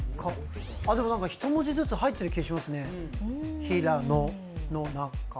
１文字ずつ入ってる気がしますね。